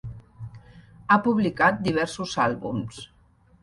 Ha publicat diversos àlbums.